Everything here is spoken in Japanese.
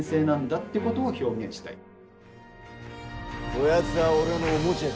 こやつは俺のおもちゃじゃ。